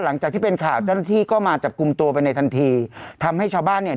หลังจากที่เป็นข่าวเจ้าหน้าที่ก็มาจับกลุ่มตัวไปในทันทีทำให้ชาวบ้านเนี่ย